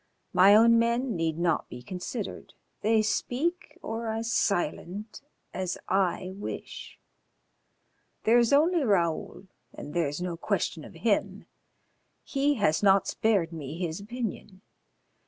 My own men need not be considered, they speak or are silent as I wish. There is only Raoul, and there is no question of him. He has not spared me his opinion.